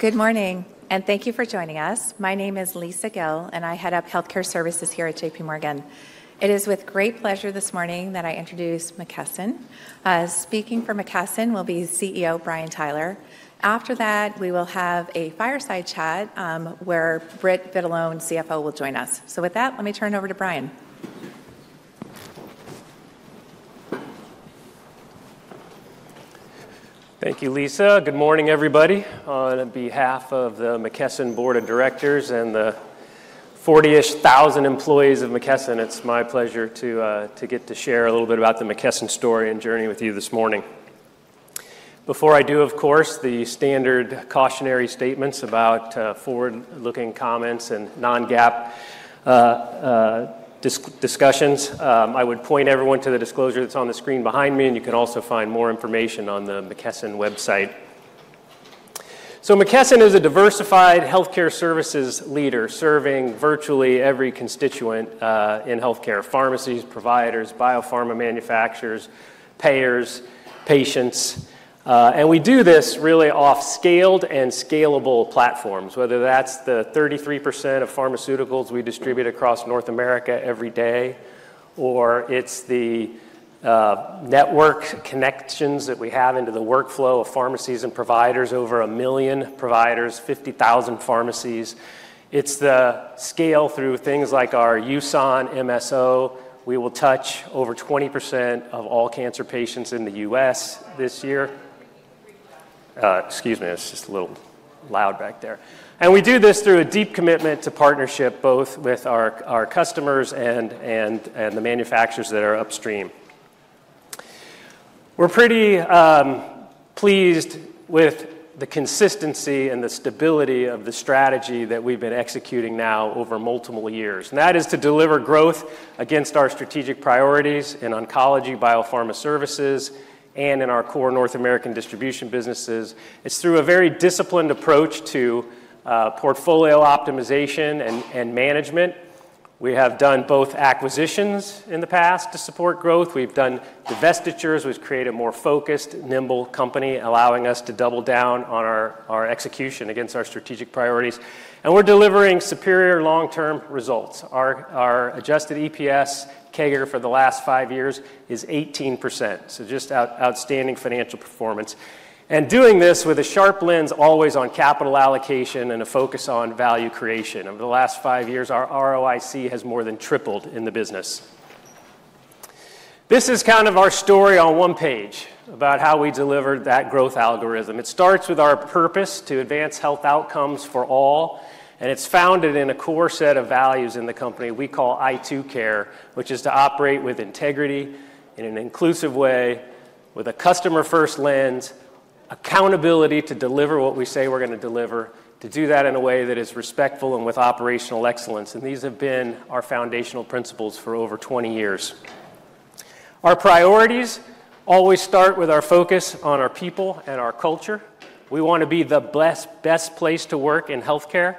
Good morning, and thank you for joining us. My name is Lisa Gill, and I head up healthcare services here at JPMorgan. It is with great pleasure this morning that I introduce McKesson. Speaking for McKesson will be CEO Brian Tyler. After that, we will have a fireside chat where Britt Vitalone, CFO, will join us. So with that, let me turn it over to Brian. Thank you, Lisa. Good morning, everybody. On behalf of the McKesson Board of Directors and the 40-ish thousand employees of McKesson, it's my pleasure to get to share a little bit about the McKesson story and journey with you this morning. Before I do, of course, the standard cautionary statements about forward-looking comments and non-GAAP discussions. I would point everyone to the disclosure that's on the screen behind me, and you can also find more information on the McKesson website. So McKesson is a diversified healthcare services leader serving virtually every constituent in healthcare: pharmacies, providers, biopharma manufacturers, payers, patients. And we do this really on scaled and scalable platforms, whether that's the 33% of pharmaceuticals we distribute across North America every day, or it's the network connections that we have into the workflow of pharmacies and providers, over a million providers, 50,000 pharmacies. It's the scale through things like our USON MSO. We will touch over 20% of all cancer patients in the U.S. this year. Excuse me, it's just a little loud back there. And we do this through a deep commitment to partnership, both with our customers and the manufacturers that are upstream. We're pretty pleased with the consistency and the stability of the strategy that we've been executing now over multiple years. And that is to deliver growth against our strategic priorities in oncology, biopharma services, and in our core North American distribution businesses. It's through a very disciplined approach to portfolio optimization and management. We have done both acquisitions in the past to support growth. We've done divestitures. We've created a more focused, nimble company, allowing us to double down on our execution against our strategic priorities. And we're delivering superior long-term results. Our adjusted EPS CAGR for the last five years is 18%, so just outstanding financial performance and doing this with a sharp lens always on capital allocation and a focus on value creation. Over the last five years, our ROIC has more than tripled in the business. This is kind of our story on one page about how we delivered that growth algorithm. It starts with our purpose to advance health outcomes for all, and it's founded in a core set of values in the company we call I²CARE, which is to operate with integrity in an inclusive way, with a customer-first lens, accountability to deliver what we say we're going to deliver, to do that in a way that is respectful and with operational excellence, and these have been our foundational principles for over 20 years. Our priorities always start with our focus on our people and our culture. We want to be the best place to work in healthcare.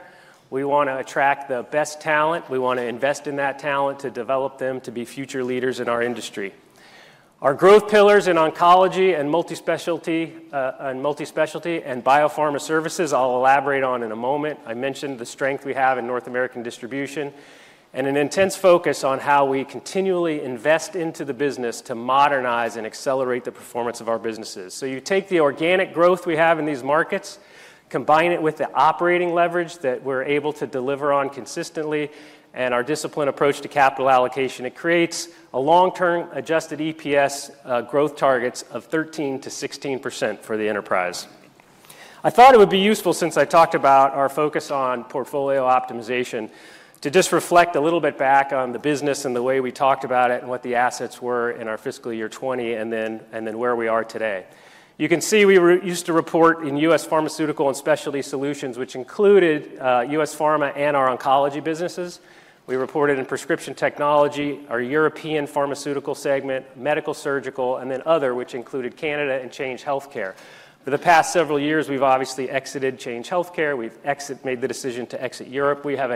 We want to attract the best talent. We want to invest in that talent to develop them to be future leaders in our industry. Our growth pillars in oncology and multispecialty and biopharma services I'll elaborate on in a moment. I mentioned the strength we have in North American distribution and an intense focus on how we continually invest into the business to modernize and accelerate the performance of our businesses. So you take the organic growth we have in these markets, combine it with the operating leverage that we're able to deliver on consistently, and our disciplined approach to capital allocation. It creates a long-term Adjusted EPS growth target of 13%-16% for the enterprise. I thought it would be useful, since I talked about our focus on portfolio optimization, to just reflect a little bit back on the business and the way we talked about it and what the assets were in our fiscal year 2020 and then where we are today. You can see we used to report in U.S. Pharmaceutical and Specialty Solutions, which included U.S. Pharma and our oncology businesses. We reported in Prescription Technology, our European pharmaceutical segment, medical surgical, and then other, which included Canada and Change Healthcare. For the past several years, we've obviously exited Change Healthcare. We've made the decision to exit Europe. We have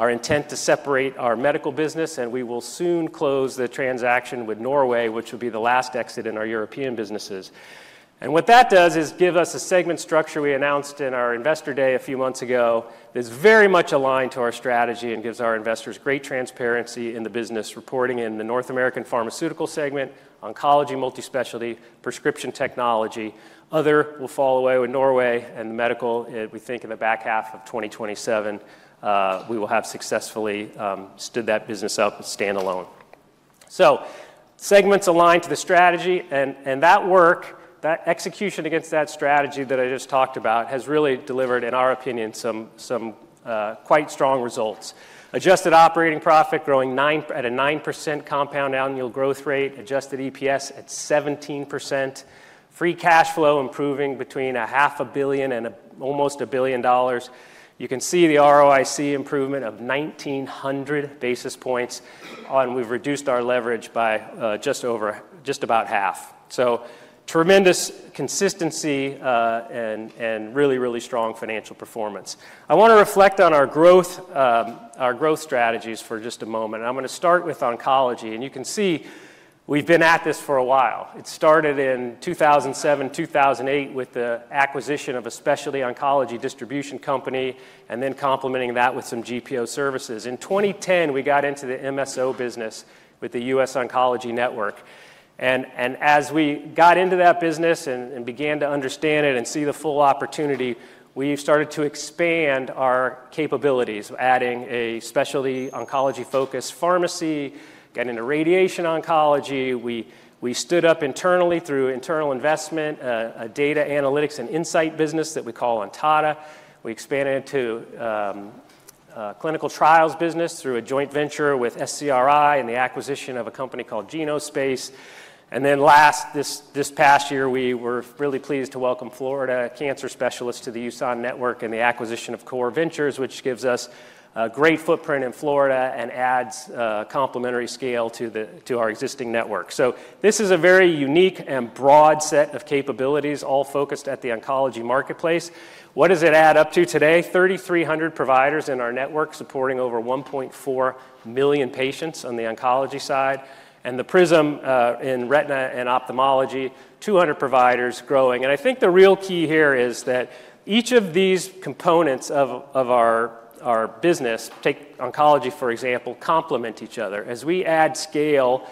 announced our intent to separate our medical business, and we will soon close the transaction with Norway, which will be the last exit in our European businesses. What that does is give us a segment structure we announced in our Investor Day a few months ago that's very much aligned to our strategy and gives our investors great transparency in the business reporting in the North American pharmaceutical segment, oncology, multispecialty, prescription technology. Other will fall away with Norway and the medical. We think in the back half of 2027, we will have successfully stood that business up standalone. Segments aligned to the strategy, and that work, that execution against that strategy that I just talked about, has really delivered, in our opinion, some quite strong results. Adjusted operating profit growing at a 9% compound annual growth rate, adjusted EPS at 17%, free cash flow improving between $500 million and almost $1 billion. You can see the ROIC improvement of 1,900 basis points, and we've reduced our leverage by just about half. So tremendous consistency and really, really strong financial performance. I want to reflect on our growth strategies for just a moment. I'm going to start with oncology, and you can see we've been at this for a while. It started in 2007, 2008 with the acquisition of a specialty oncology distribution company and then complementing that with some GPO services. In 2010, we got into the MSO business with the U.S. Oncology Network. And as we got into that business and began to understand it and see the full opportunity, we started to expand our capabilities, adding a specialty oncology-focused pharmacy, getting into radiation oncology. We stood up internally through internal investment a data analytics and insight business that we call Ontada. We expanded into a clinical trials business through a joint venture with SCRI and the acquisition of a company called Genospace. And then last, this past year, we were really pleased to welcome Florida Cancer Specialists to the USON Network and the acquisition of Core Ventures, which gives us a great footprint in Florida and adds complementary scale to our existing network. So this is a very unique and broad set of capabilities, all focused at the oncology marketplace. What does it add up to today? 3,300 providers in our network supporting over 1.4 million patients on the oncology side. And the Prism in retina and ophthalmology, 200 providers growing. And I think the real key here is that each of these components of our business, take oncology, for example, complement each other. As we add scale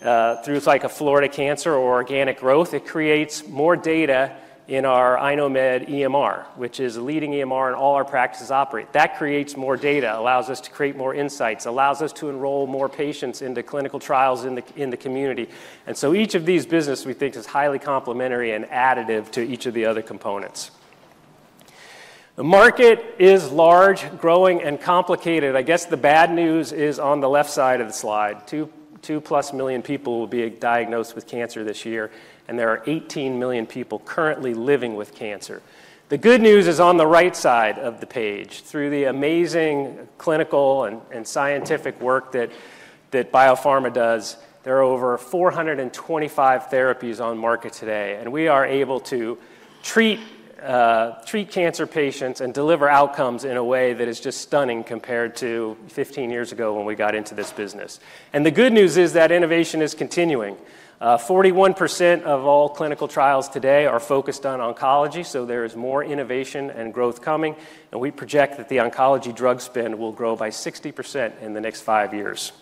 through, it's like a Florida Cancer or organic growth, it creates more data in our iKnowMed EMR, which is a leading EMR in all our practices operate. That creates more data, allows us to create more insights, allows us to enroll more patients into clinical trials in the community, and so each of these businesses, we think, is highly complementary and additive to each of the other components. The market is large, growing, and complicated. I guess the bad news is on the left side of the slide. 2+ million people will be diagnosed with cancer this year, and there are 18 million people currently living with cancer. The good news is on the right side of the page. Through the amazing clinical and scientific work that biopharma does, there are over 425 therapies on market today, and we are able to treat cancer patients and deliver outcomes in a way that is just stunning compared to 15 years ago when we got into this business, and the good news is that innovation is continuing. 41% of all clinical trials today are focused on oncology, so there is more innovation and growth coming, and we project that the oncology drug spend will grow by 60% in the next five years,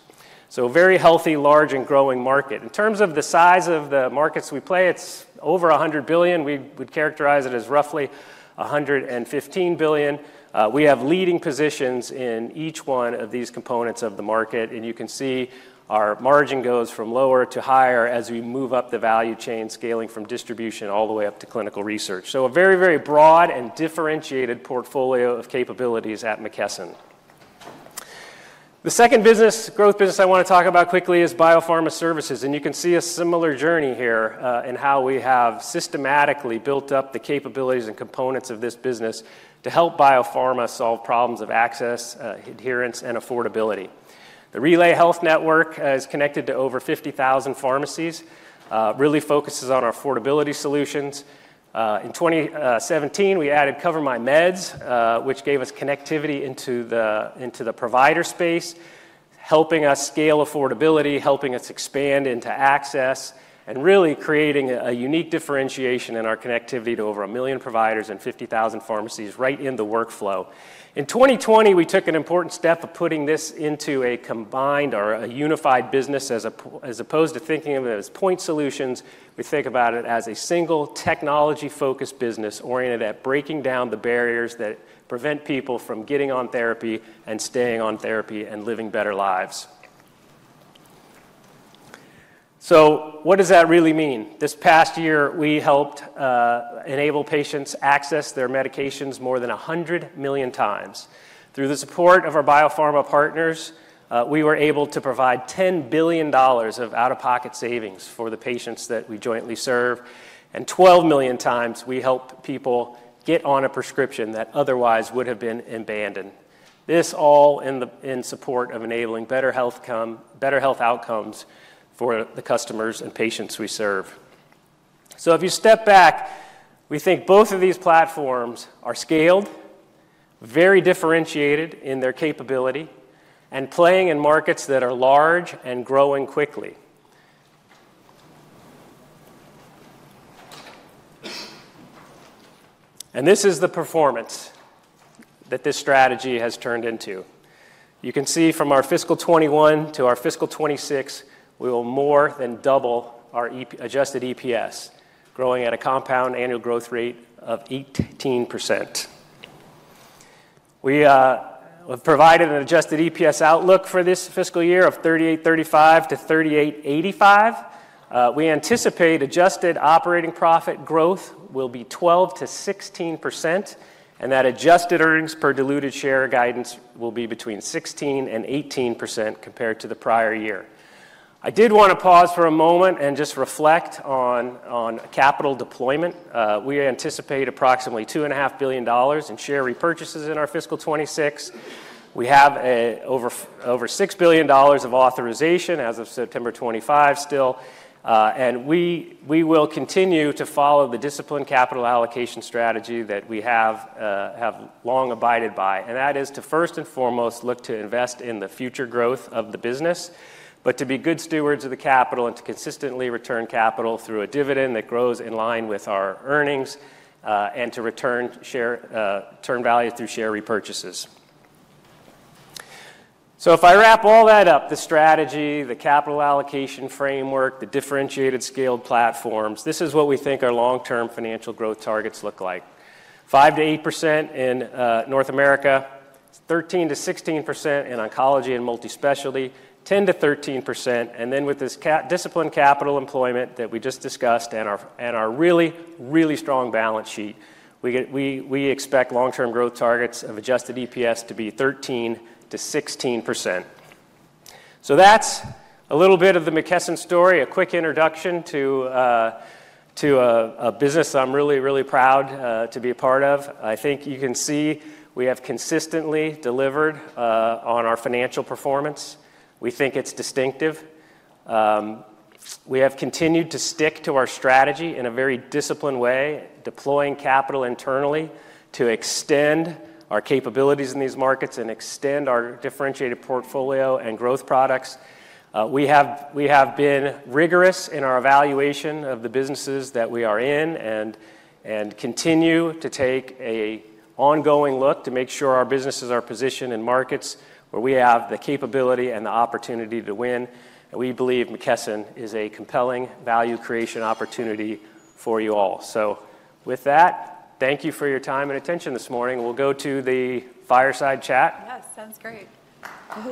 so a very healthy, large, and growing market. In terms of the size of the markets we play, it's over 100 billion. We would characterize it as roughly 115 billion. We have leading positions in each one of these components of the market, and you can see our margin goes from lower to higher as we move up the value chain, scaling from distribution all the way up to clinical research, so a very, very broad and differentiated portfolio of capabilities at McKesson. The second growth business I want to talk about quickly is biopharma services, and you can see a similar journey here in how we have systematically built up the capabilities and components of this business to help biopharma solve problems of access, adherence, and affordability. The RelayHealth Network is connected to over 50,000 pharmacies, really focuses on our affordability solutions. In 2017, we added CoverMyMeds, which gave us connectivity into the provider space, helping us scale affordability, helping us expand into access, and really creating a unique differentiation in our connectivity to over a million providers and 50,000 pharmacies right in the workflow. In 2020, we took an important step of putting this into a combined or a unified business as opposed to thinking of it as point solutions. We think about it as a single technology-focused business oriented at breaking down the barriers that prevent people from getting on therapy and staying on therapy and living better lives. So what does that really mean? This past year, we helped enable patients access their medications more than 100x million. Through the support of our biopharma partners, we were able to provide $10 billion of out-of-pocket savings for the patients that we jointly serve. And 12x million, we helped people get on a prescription that otherwise would have been abandoned. This all in support of enabling better health outcomes for the customers and patients we serve. So if you step back, we think both of these platforms are scaled, very differentiated in their capability, and playing in markets that are large and growing quickly. And this is the performance that this strategy has turned into. You can see from our fiscal 2021 to our fiscal 2026, we will more than double our adjusted EPS, growing at a compound annual growth rate of 18%. We have provided an adjusted EPS outlook for this fiscal year of $38.35-$38.85. We anticipate adjusted operating profit growth will be 12%-16%, and that adjusted earnings per diluted share guidance will be between 16% and 18% compared to the prior year. I did want to pause for a moment and just reflect on capital deployment. We anticipate approximately $2.5 billion in share repurchases in our fiscal 2026. We have over $6 billion of authorization as of September 2025 still, and we will continue to follow the disciplined capital allocation strategy that we have long abided by. That is to, first and foremost, look to invest in the future growth of the business, but to be good stewards of the capital and to consistently return capital through a dividend that grows in line with our earnings and to return shareholder value through share repurchases. So if I wrap all that up, the strategy, the capital allocation framework, the differentiated scaled platforms, this is what we think our long-term financial growth targets look like. 5%-8% in North America, 13%-16% in oncology and multispecialty, 10%-13%, and then with this disciplined capital employment that we just discussed and our really, really strong balance sheet, we expect long-term growth targets of Adjusted EPS to be 13%-16%. So that's a little bit of the McKesson story, a quick introduction to a business I'm really, really proud to be a part of. I think you can see we have consistently delivered on our financial performance. We think it's distinctive. We have continued to stick to our strategy in a very disciplined way, deploying capital internally to extend our capabilities in these markets and extend our differentiated portfolio and growth products. We have been rigorous in our evaluation of the businesses that we are in and continue to take an ongoing look to make sure our businesses are positioned in markets where we have the capability and the opportunity to win. And we believe McKesson is a compelling value creation opportunity for you all. So with that, thank you for your time and attention this morning. We'll go to the fireside chat. Yes, sounds great. You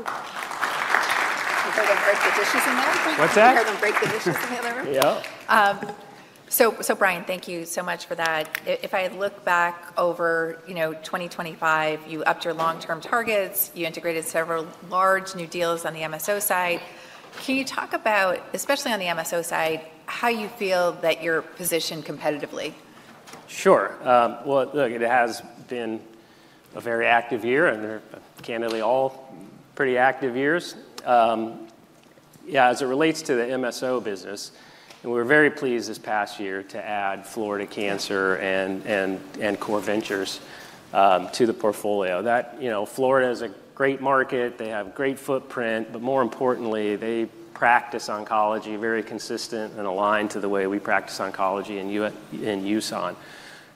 heard them break the dishes in the other room. What's that? You heard them break the dishes in the other room. Yeah. So Brian, thank you so much for that. If I look back over 2025, you upped your long-term targets. You integrated several large new deals on the MSO side. Can you talk about, especially on the MSO side, how you feel that you're positioned competitively? Sure. Well, look, it has been a very active year and candidly, all pretty active years. Yeah, as it relates to the MSO business, we were very pleased this past year to add Florida Cancer Specialists and Core Ventures to the portfolio. Florida is a great market. They have great footprint, but more importantly, they practice oncology very consistent and aligned to the way we practice oncology in USON.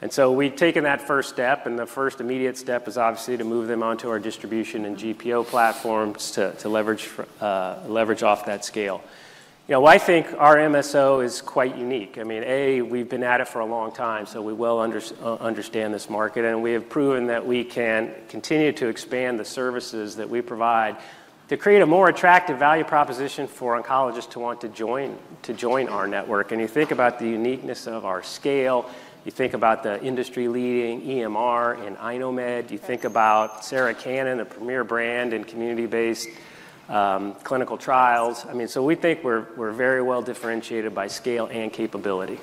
And so we've taken that first step, and the first immediate step is obviously to move them onto our distribution and GPO platforms to leverage off that scale. I think our MSO is quite unique. I mean, A, we've been at it for a long time, so we well understand this market, and we have proven that we can continue to expand the services that we provide to create a more attractive value proposition for oncologists to want to join our network. And you think about the uniqueness of our scale. You think about the industry-leading EMR and iKnowMed. You think about Sarah Cannon, a premier brand in community-based clinical trials. I mean, so we think we're very well differentiated by scale and capability.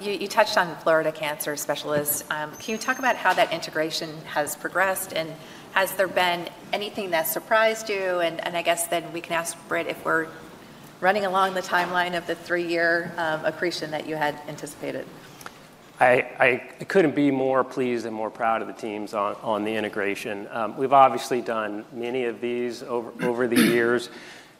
You touched on Florida Cancer Specialists. Can you talk about how that integration has progressed, and has there been anything that surprised you? And I guess then we can ask Britt if we're running along the timeline of the three-year accretion that you had anticipated. I couldn't be more pleased and more proud of the teams on the integration. We've obviously done many of these over the years,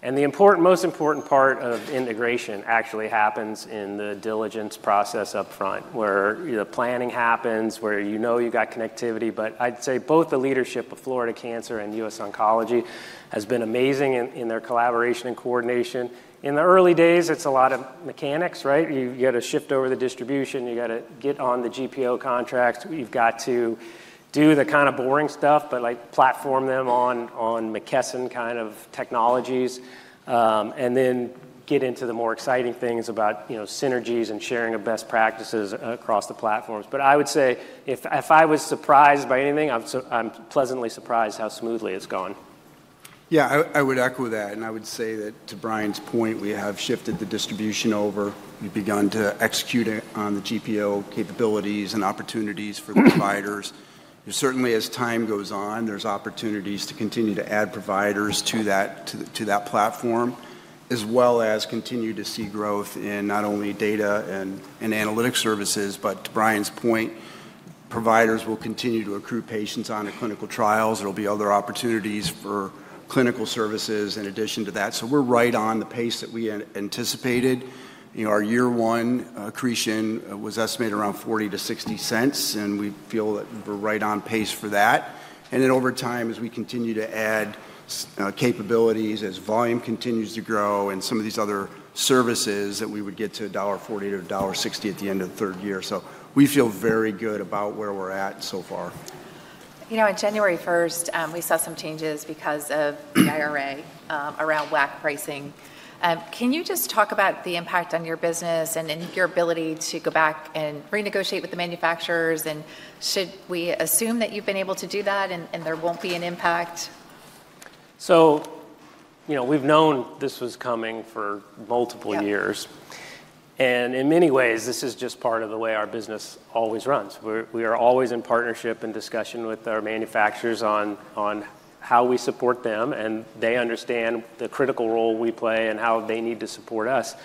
and the most important part of integration actually happens in the diligence process upfront, where the planning happens, where you know you've got connectivity. But I'd say both the leadership of Florida Cancer and US Oncology has been amazing in their collaboration and coordination. In the early days, it's a lot of mechanics, right? You got to shift over the distribution. You got to get on the GPO contracts. You've got to do the kind of boring stuff, but platform them on McKesson kind of technologies and then get into the more exciting things about synergies and sharing of best practices across the platforms. But I would say if I was surprised by anything, I'm pleasantly surprised how smoothly it's gone. Yeah, I would echo that, and I would say that to Brian's point, we have shifted the distribution over. We've begun to execute it on the GPO capabilities and opportunities for the providers. Certainly, as time goes on, there's opportunities to continue to add providers to that platform, as well as continue to see growth in not only data and analytic services. But to Brian's point, providers will continue to accrue patients onto clinical trials. There will be other opportunities for clinical services in addition to that. So we're right on the pace that we anticipated. Our year-one accretion was estimated around $0.40-$0.60, and we feel that we're right on pace for that. And then over time, as we continue to add capabilities, as volume continues to grow, and some of these other services that we would get to $1.40-$1.60 at the end of the third year. So we feel very good about where we're at so far. You know, on January 1st, we saw some changes because of the IRA around WAC pricing. Can you just talk about the impact on your business and your ability to go back and renegotiate with the manufacturers? And should we assume that you've been able to do that and there won't be an impact? So we've known this was coming for multiple years, and in many ways, this is just part of the way our business always runs. We are always in partnership and discussion with our manufacturers on how we support them, and they understand the critical role we play and how they need to support us.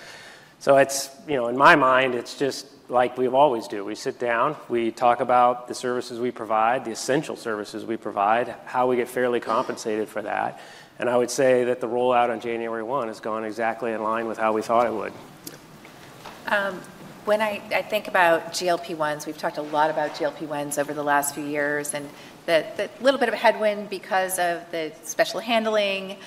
So in my mind, it's just like we've always do. We sit down, we talk about the services we provide, the essential services we provide, how we get fairly compensated for that. And I would say that the rollout on January 1 has gone exactly in line with how we thought it would. When I think about GLP-1s, we've talked a lot about GLP-1s over the last few years, and a little bit of a headwind because of the special handling.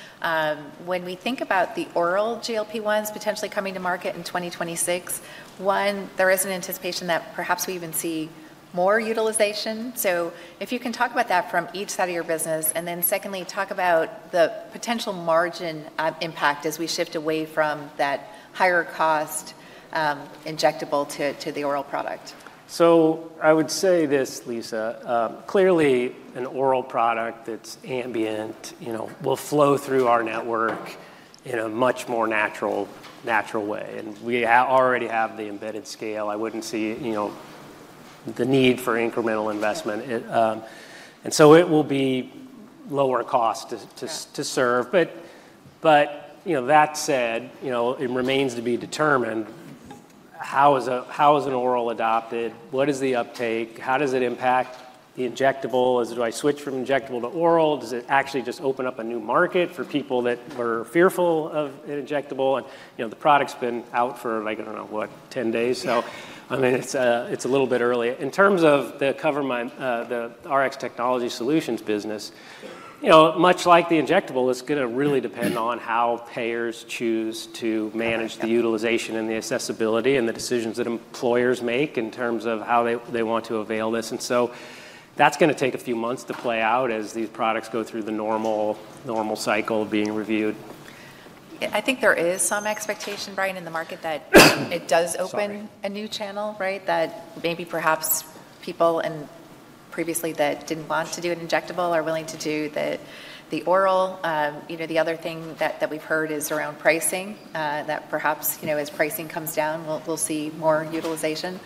When we think about the oral GLP-1s potentially coming to market in 2026, one, there is an anticipation that perhaps we even see more utilization. So if you can talk about that from each side of your business, and then secondly, talk about the potential margin impact as we shift away from that higher cost injectable to the oral product. So I would say this, Lisa. Clearly, an oral product that's ambient will flow through our network in a much more natural way, and we already have the embedded scale. I wouldn't see the need for incremental investment. And so it will be lower cost to serve. But that said, it remains to be determined how is an oral adopted, what is the uptake, how does it impact the injectable? Do I switch from injectable to oral? Does it actually just open up a new market for people that were fearful of an injectable? And the product's been out for, I don't know what, 10 days. So it's a little bit early. In terms of the Rx technology solutions business, much like the injectable, it's going to really depend on how payers choose to manage the utilization and the accessibility and the decisions that employers make in terms of how they want to avail this. And so that's going to take a few months to play out as these products go through the normal cycle of being reviewed. I think there is some expectation, Brian, in the market that it does open a new channel, right? That maybe perhaps people previously that didn't want to do an injectable are willing to do the oral. The other thing that we've heard is around pricing, that perhaps as pricing comes down, we'll see more utilization.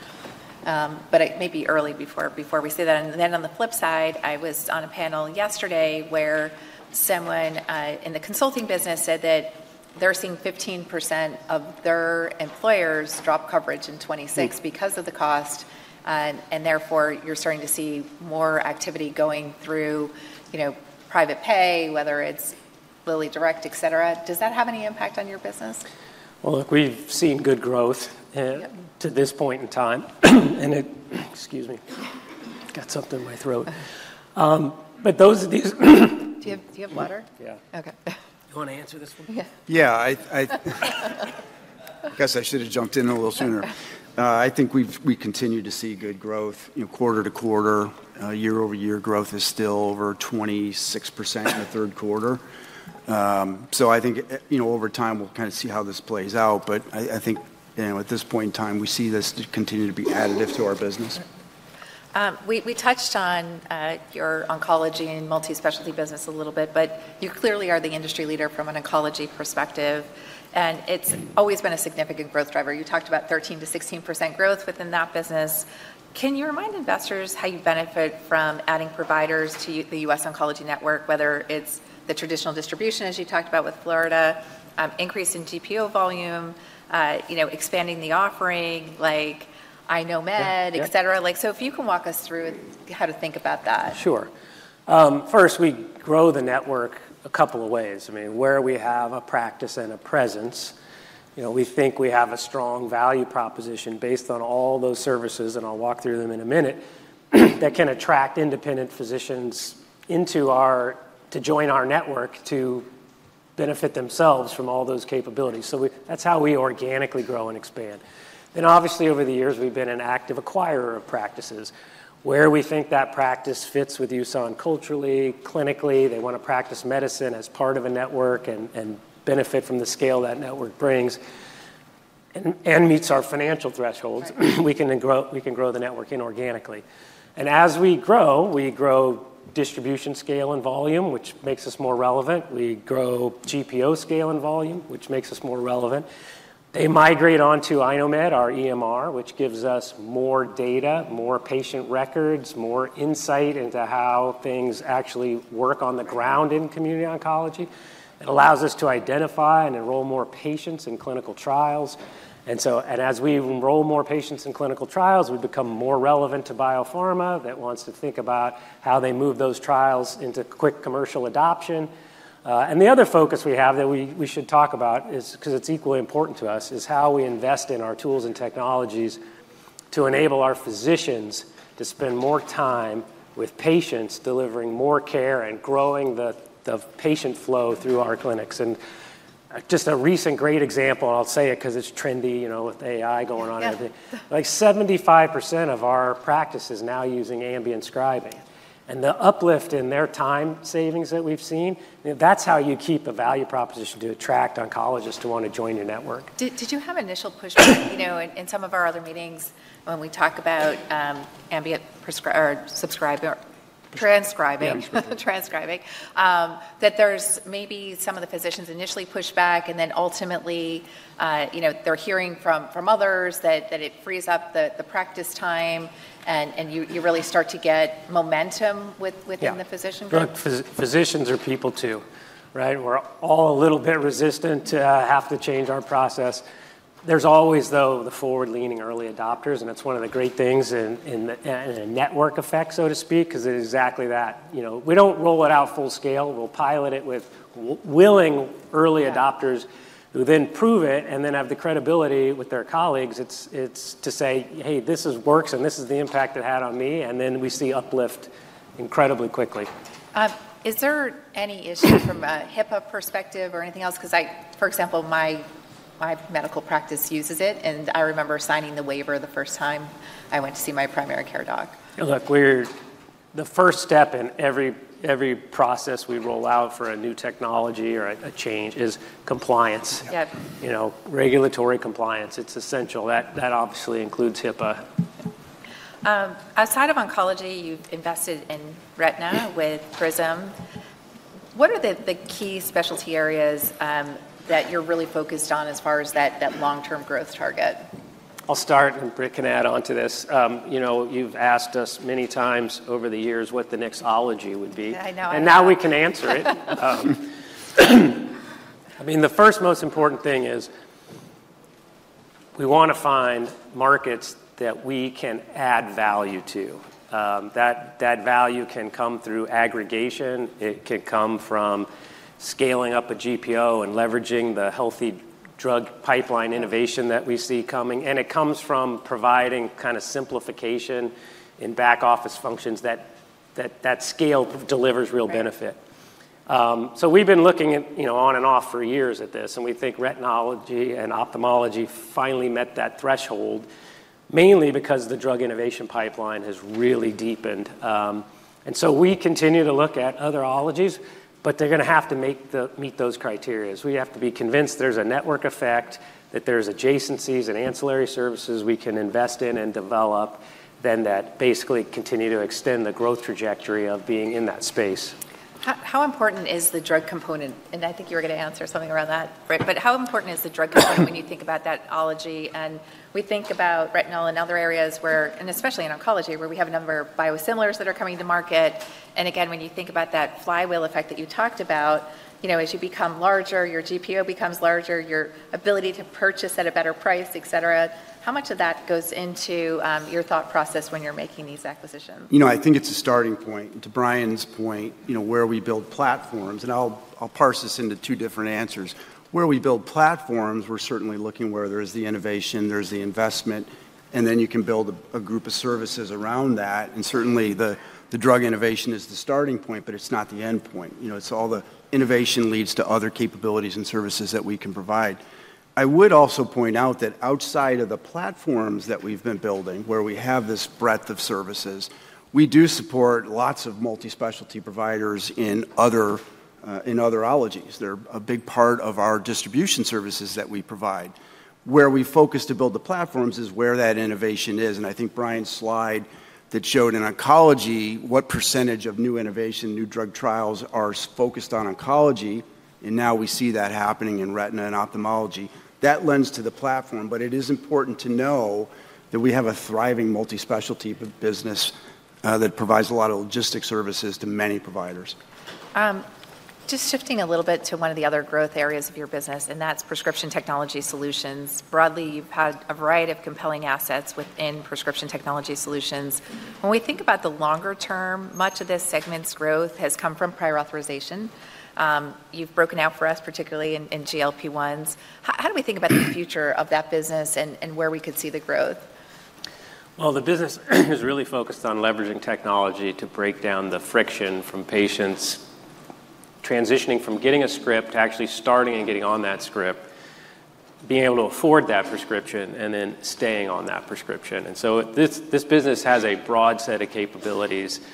But it may be early before we say that. And then on the flip side, I was on a panel yesterday where someone in the consulting business said that they're seeing 15% of their employers drop coverage in 2026 because of the cost, and therefore you're starting to see more activity going through private pay, whether it's LillyDirect, etc. Does that have any impact on your business? Well, look, we've seen good growth to this point in time. And excuse me, I've got something in my throat. But those of these. Do you have water? Yeah. Okay. You want to answer this one? Yeah. Yeah. I guess I should have jumped in a little sooner. I think we continue to see good growth. Quarter to quarter, year-over-year growth is still over 26% in the third quarter. So I think over time, we'll kind of see how this plays out. But I think at this point in time, we see this continue to be additive to our business. We touched on your oncology and multispecialty business a little bit, but you clearly are the industry leader from an oncology perspective, and it's always been a significant growth driver. You talked about 13%-16% growth within that business. Can you remind investors how you benefit from adding providers to the US Oncology Network, whether it's the traditional distribution, as you talked about with Florida, increase in GPO volume, expanding the offering like iKnowMed, etc.? So if you can walk us through how to think about that? Sure. First, we grow the network a couple of ways. I mean, where we have a practice and a presence, we think we have a strong value proposition based on all those services, and I'll walk through them in a minute, that can attract independent physicians to join our network to benefit themselves from all those capabilities. So that's how we organically grow and expand. And obviously, over the years, we've been an active acquirer of practices where we think that practice fits with USON culturally, clinically. They want to practice medicine as part of a network and benefit from the scale that network brings and meets our financial thresholds. We can grow the network inorganically. And as we grow, we grow distribution scale and volume, which makes us more relevant. We grow GPO scale and volume, which makes us more relevant. They migrate onto iKnowMed, our EMR, which gives us more data, more patient records, more insight into how things actually work on the ground in community oncology. It allows us to identify and enroll more patients in clinical trials. And as we enroll more patients in clinical trials, we become more relevant to biopharma that wants to think about how they move those trials into quick commercial adoption. And the other focus we have that we should talk about, because it's equally important to us, is how we invest in our tools and technologies to enable our physicians to spend more time with patients, delivering more care and growing the patient flow through our clinics. And just a recent great example, and I'll say it because it's trendy with AI going on everything. Like 75% of our practice is now using ambient scribing, and the uplift in their time savings that we've seen. That's how you keep a value proposition to attract oncologists to want to join your network. Did you have initial pushback in some of our other meetings when we talk about ambient scribing? That there's maybe some of the physicians initially push back, and then ultimately they're hearing from others that it frees up the practice time, and you really start to get momentum within the physician group. Physicians are people too, right? We're all a little bit resistant to have to change our process. There's always, though, the forward-leaning early adopters, and that's one of the great things in a network effect, so to speak, because it's exactly that. We don't roll it out full scale. We'll pilot it with willing early adopters who then prove it and then have the credibility with their colleagues. It's to say, "Hey, this works, and this is the impact it had on me," and then we see uplift incredibly quickly. Is there any issue from a HIPAA perspective or anything else? Because, for example, my medical practice uses it, and I remember signing the waiver the first time I went to see my primary care doc. Look, the first step in every process we roll out for a new technology or a change is compliance, regulatory compliance. It's essential. That obviously includes HIPAA. Outside of oncology, you've invested in retina with Prism. What are the key specialty areas that you're really focused on as far as that long-term growth target? I'll start, and Britt can add on to this. You've asked us many times over the years what the nextology would be. I know. And now we can answer it. I mean, the first most important thing is we want to find markets that we can add value to. That value can come through aggregation. It can come from scaling up a GPO and leveraging the healthy drug pipeline innovation that we see coming. And it comes from providing kind of simplification in back-office functions that scale delivers real benefit. So we've been looking on and off for years at this, and we think retinology and ophthalmology finally met that threshold, mainly because the drug innovation pipeline has really deepened. And so we continue to look at other ologies, but they're going to have to meet those criteria. We have to be convinced there's a network effect, that there's adjacencies and ancillary services we can invest in and develop, then that basically continue to extend the growth trajectory of being in that space. How important is the drug component? I think you were going to answer something around that, Britt. How important is the drug component when you think about that ology? We think about retina in other areas, and especially in oncology, where we have a number of biosimilars that are coming to market. Again, when you think about that flywheel effect that you talked about, as you become larger, your GPO becomes larger, your ability to purchase at a better price, etc., how much of that goes into your thought process when you're making these acquisitions? I think it's a starting point. To Brian's point, where we build platforms, and I'll parse this into two different answers. Where we build platforms, we're certainly looking where there is the innovation, there's the investment, and then you can build a group of services around that. And certainly, the drug innovation is the starting point, but it's not the endpoint. It's all the innovation leads to other capabilities and services that we can provide. I would also point out that outside of the platforms that we've been building, where we have this breadth of services, we do support lots of multispecialty providers in other ologies. They're a big part of our distribution services that we provide. Where we focus to build the platforms is where that innovation is. I think Brian's slide that showed in oncology what percentage of new innovation, new drug trials are focused on oncology, and now we see that happening in retina and ophthalmology, that lends to the platform. But it is important to know that we have a thriving multispecialty business that provides a lot of logistics services to many providers. Just shifting a little bit to one of the other growth areas of your business, and that's Prescription Technology Solutions. Broadly, you've had a variety of compelling assets within Prescription Technology Solutions. When we think about the longer term, much of this segment's growth has come from prior authorization. You've broken out for us, particularly in GLP-1s. How do we think about the future of that business and where we could see the growth? The business is really focused on leveraging technology to break down the friction from patients transitioning from getting a script to actually starting and getting on that script, being able to afford that prescription, and then staying on that prescription. This business has a broad set of capabilities. It's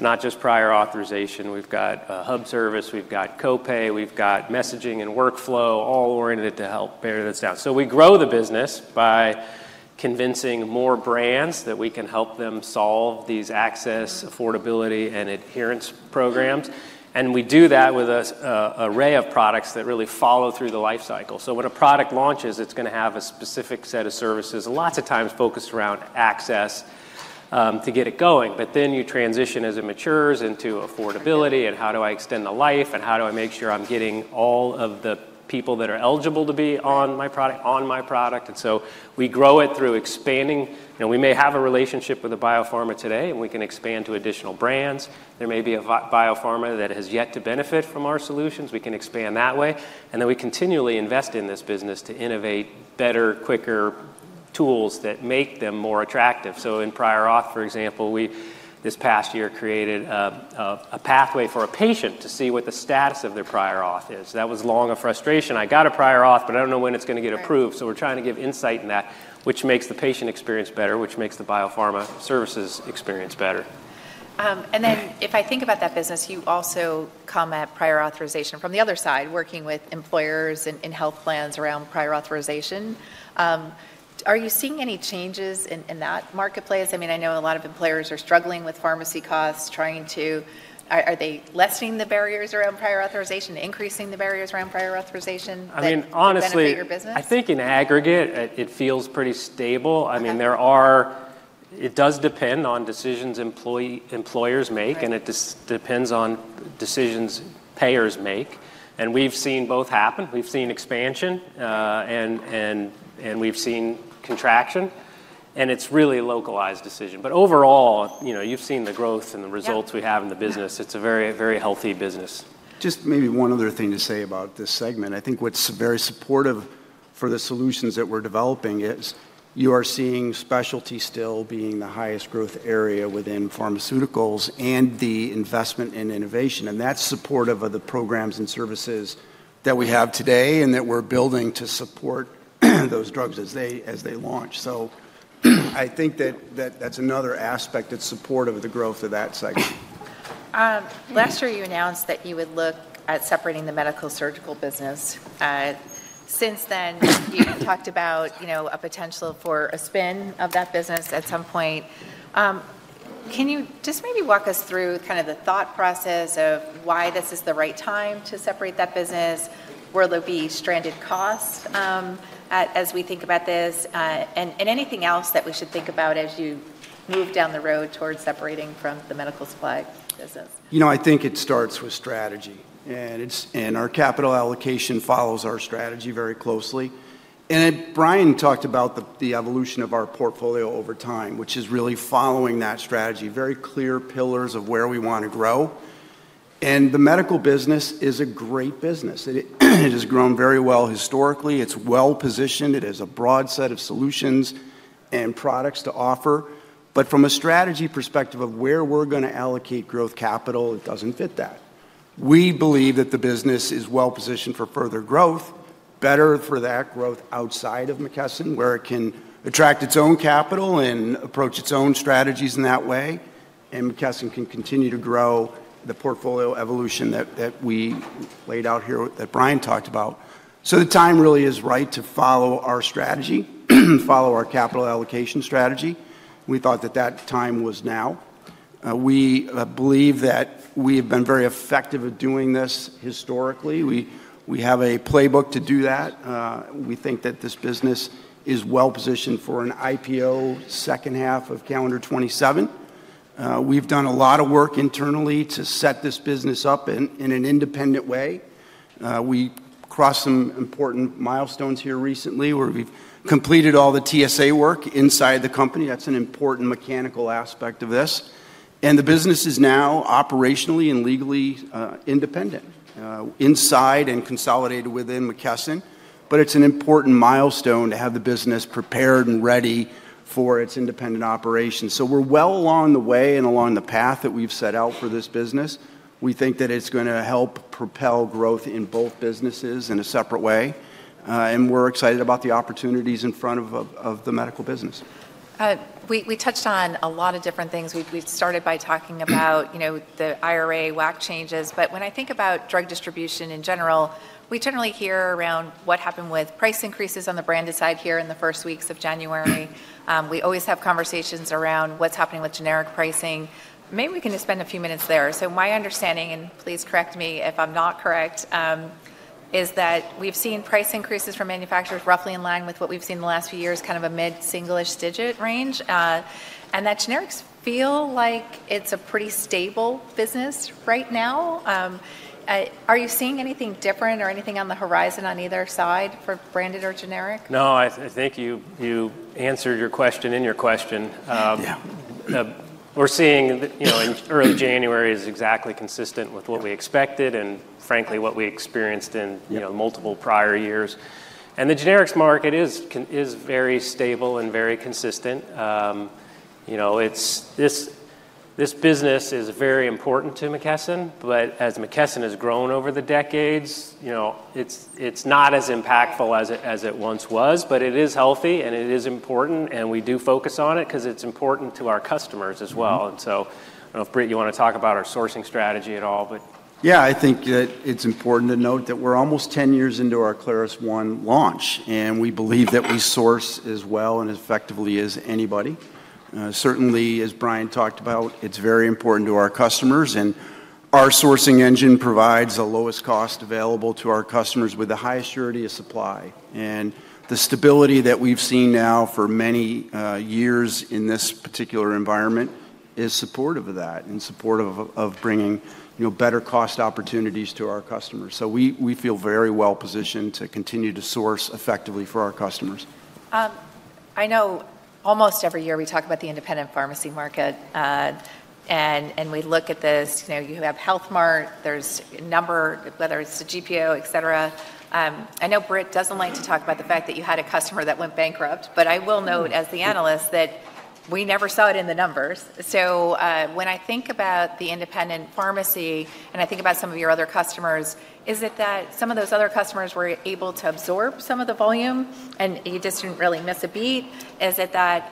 not just prior authorization. We've got a hub service. We've got copay. We've got messaging and workflow all oriented to help pare this down. We grow the business by convincing more brands that we can help them solve these access, affordability, and adherence programs. We do that with an array of products that really follow through the life cycle. When a product launches, it's going to have a specific set of services, lots of times focused around access to get it going. But then you transition, as it matures, into affordability and how do I extend the life and how do I make sure I'm getting all of the people that are eligible to be on my product. And so we grow it through expanding. We may have a relationship with a biopharma today, and we can expand to additional brands. There may be a biopharma that has yet to benefit from our solutions. We can expand that way. And then we continually invest in this business to innovate better, quicker tools that make them more attractive. So in prior auth, for example, we, this past year, created a pathway for a patient to see what the status of their prior auth is. That was long a frustration. I got a prior auth, but I don't know when it's going to get approved. So we're trying to give insight in that, which makes the patient experience better, which makes the biopharma services experience better. And then if I think about that business, you also come at prior authorization from the other side, working with employers and health plans around prior authorization. Are you seeing any changes in that marketplace? I mean, I know a lot of employers are struggling with pharmacy costs, trying to, are they lessening the barriers around prior authorization, increasing the barriers around prior authorization? I mean, honestly, I think in aggregate, it feels pretty stable. I mean, it does depend on decisions employers make, and it depends on decisions payers make. And we've seen both happen. We've seen expansion, and we've seen contraction. And it's really a localized decision. But overall, you've seen the growth and the results we have in the business. It's a very, very healthy business. Just maybe one other thing to say about this segment. I think what's very supportive for the solutions that we're developing is you are seeing specialty still being the highest growth area within pharmaceuticals and the investment in innovation. And that's supportive of the programs and services that we have today and that we're building to support those drugs as they launch. So I think that that's another aspect that's supportive of the growth of that segment. Last year, you announced that you would look at separating the medical surgical business. Since then, you talked about a potential for a spin of that business at some point. Can you just maybe walk us through kind of the thought process of why this is the right time to separate that business? Will there be stranded costs as we think about this? And anything else that we should think about as you move down the road towards separating from the medical supply business? I think it starts with strategy. And our capital allocation follows our strategy very closely. And Brian talked about the evolution of our portfolio over time, which is really following that strategy, very clear pillars of where we want to grow. And the medical business is a great business. It has grown very well historically. It's well-positioned. It has a broad set of solutions and products to offer. But from a strategy perspective of where we're going to allocate growth capital, it doesn't fit that. We believe that the business is well-positioned for further growth, better for that growth outside of McKesson, where it can attract its own capital and approach its own strategies in that way. McKesson can continue to grow the portfolio evolution that we laid out here that Brian talked about. The time really is right to follow our strategy, follow our capital allocation strategy. We thought that that time was now. We believe that we have been very effective at doing this historically. We have a playbook to do that. We think that this business is well-positioned for an IPO second half of calendar 2027. We've done a lot of work internally to set this business up in an independent way. We crossed some important milestones here recently where we've completed all the TSA work inside the company. That's an important mechanical aspect of this. The business is now operationally and legally independent inside and consolidated within McKesson. It's an important milestone to have the business prepared and ready for its independent operation. So we're well along the way and along the path that we've set out for this business. We think that it's going to help propel growth in both businesses in a separate way. And we're excited about the opportunities in front of the medical business. We touched on a lot of different things. We've started by talking about the IRA WAC changes. But when I think about drug distribution in general, we generally hear around what happened with price increases on the branded side here in the first weeks of January. We always have conversations around what's happening with generic pricing. Maybe we can just spend a few minutes there. So my understanding, and please correct me if I'm not correct, is that we've seen price increases for manufacturers roughly in line with what we've seen in the last few years, kind of a mid-single digit range. That generics feel like it's a pretty stable business right now. Are you seeing anything different or anything on the horizon on either side for branded or generic? No, I think you answered your question in your question. We're seeing in early January is exactly consistent with what we expected and, frankly, what we experienced in multiple prior years. And the generics market is very stable and very consistent. This business is very important to McKesson, but as McKesson has grown over the decades, it's not as impactful as it once was, but it is healthy and it is important, and we do focus on it because it's important to our customers as well. And so I don't know if Britt, you want to talk about our sourcing strategy at all, but. Yeah, I think that it's important to note that we're almost 10 years into our ClarusONE launch, and we believe that we source as well and as effectively as anybody. Certainly, as Brian talked about, it's very important to our customers, and our sourcing engine provides the lowest cost available to our customers with the highest surety of supply. And the stability that we've seen now for many years in this particular environment is supportive of that and supportive of bringing better cost opportunities to our customers. So we feel very well-positioned to continue to source effectively for our customers. I know almost every year we talk about the independent pharmacy market, and we look at this. You have Health Mart, there's a number, whether it's the GPO, etc. I know Britt doesn't like to talk about the fact that you had a customer that went bankrupt, but I will note as the analyst that we never saw it in the numbers. So when I think about the independent pharmacy and I think about some of your other customers, is it that some of those other customers were able to absorb some of the volume and you just didn't really miss a beat? Is it that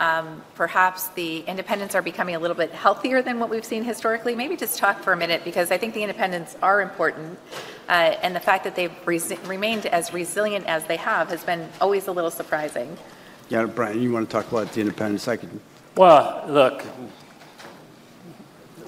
perhaps the independents are becoming a little bit healthier than what we've seen historically? Maybe just talk for a minute because I think the independents are important, and the fact that they've remained as resilient as they have has been always a little surprising. Yeah, Brian, you want to talk about the independents? I can. Look,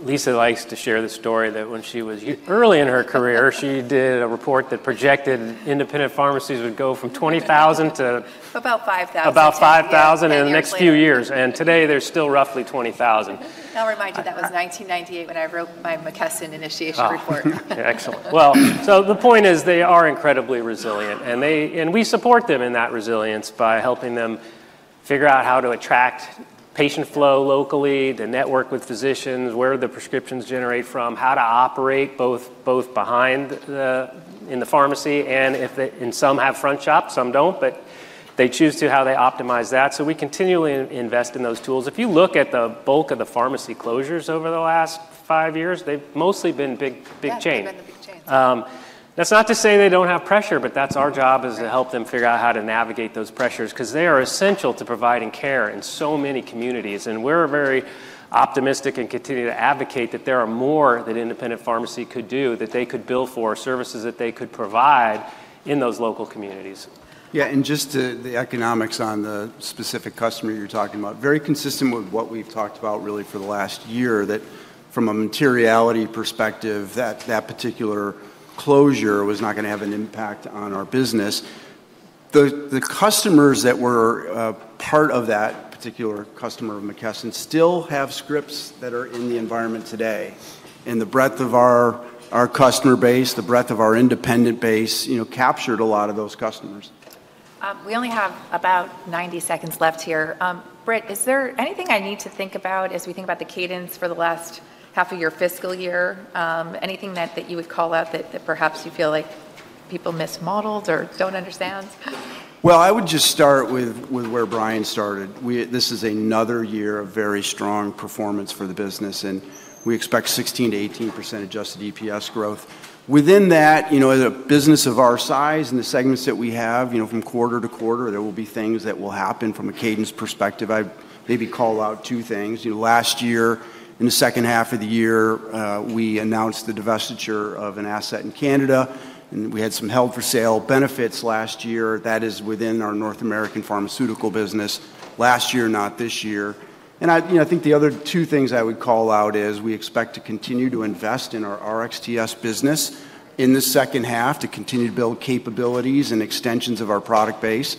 Lisa likes to share the story that when she was early in her career, she did a report that projected independent pharmacies would go from 20,000 to about 5,000 in the next few years. Today, there's still roughly 20,000. I'll remind you that was 1998 when I wrote my McKesson initiation report. Excellent. The point is they are incredibly resilient, and we support them in that resilience by helping them figure out how to attract patient flow locally, to network with physicians, where the prescriptions generate from, how to operate both behind in the pharmacy, and if some have front shop, some don't, but they choose to how they optimize that. We continually invest in those tools. If you look at the bulk of the pharmacy closures over the last five years, they've mostly been big chains. That's not to say they don't have pressure, but that's our job is to help them figure out how to navigate those pressures because they are essential to providing care in so many communities, and we're very optimistic and continue to advocate that there are more that independent pharmacy could do, that they could bill for, services that they could provide in those local communities. Yeah, and just the economics on the specific customer you're talking about, very consistent with what we've talked about really for the last year, that from a materiality perspective, that particular closure was not going to have an impact on our business. The customers that were part of that particular customer of McKesson still have scripts that are in the environment today, and the breadth of our customer base, the breadth of our independent base captured a lot of those customers. We only have about 90 seconds left here. Britt, is there anything I need to think about as we think about the cadence for the last half a year fiscal year? Anything that you would call out that perhaps you feel like people mismodeled or don't understand? Well, I would just start with where Brian started. This is another year of very strong performance for the business, and we expect 16%-18% adjusted EPS growth. Within that, in a business of our size and the segments that we have, from quarter to quarter, there will be things that will happen from a cadence perspective. I maybe call out two things. Last year, in the second half of the year, we announced the divestiture of an asset in Canada, and we had some held-for-sale benefits last year. That is within our North American pharmaceutical business. Last year, not this year. And I think the other two things I would call out is we expect to continue to invest in our RxTS business in the second half to continue to build capabilities and extensions of our product base.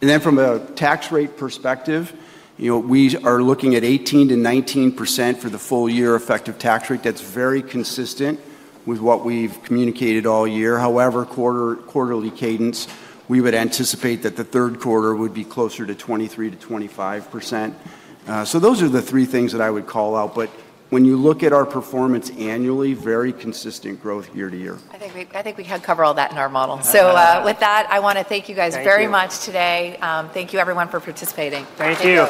And then from a tax rate perspective, we are looking at 18%-19% for the full-year effective tax rate. That's very consistent with what we've communicated all year. However, quarterly cadence, we would anticipate that the third quarter would be closer to 23%-25%. So those are the three things that I would call out. But when you look at our performance annually, very consistent growth year to year. I think we can cover all that in our model. So with that, I want to thank you guys very much today. Thank you, everyone, for participating. Thank you.